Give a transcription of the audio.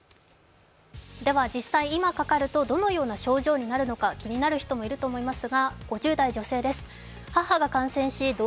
実際、今かかるとどのような症状になるのか気になる人もいると思います。